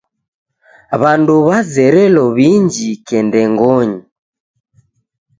W'andu wazerelo w'iinjike ndengonyi..